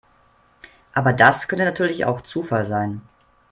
Aber das könnte natürlich auch Zufall sein.